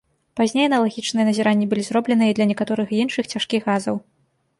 Пазней аналагічныя назіранні былі зробленыя і для некаторых іншых цяжкіх газаў.